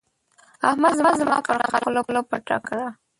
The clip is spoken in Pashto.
احمد زما پر قلم خوله پټه کړه.